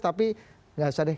tapi tidak usah deh